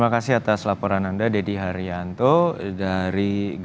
jadi ini adalah hal yang sangat penting